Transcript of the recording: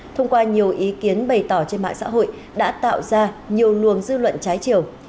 thông qua nhiều ý kiến bày tỏ trên mạng xã hội đã tạo ra nhiều luồng dư luận trái chiều